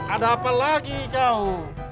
ada apa lagi kau